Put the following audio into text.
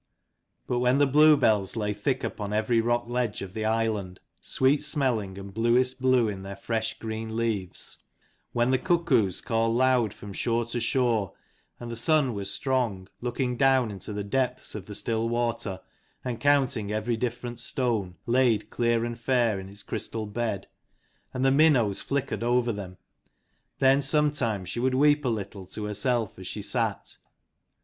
But when the bluebells lay thick upon every rock ledge of the island, sweet smelling and bluest blue in their fresh green leaves; when the cuckoos called loud from shore to shore, and the sun was strong, looking down into the depths of the still water and counting every different stone, laid clear and fair in its crystal bed, and the minnows flickered over them; then sometimes she would weep a little to herself as she sat.